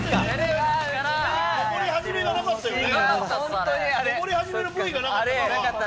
上り始めのＶがなかった。